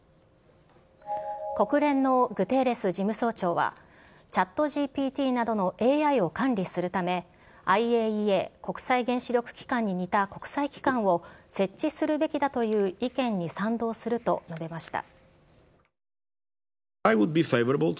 国連のグテーレス事務総長は、ＣｈａｔＧＰＴなどのＡＩを管理するため、ＩＡＥＡ・国際原子力機関に似た国際機関を設置するべきだという意見に賛同すると述べました。